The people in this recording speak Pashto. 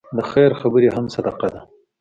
د خیر خبرې هم صدقه ده.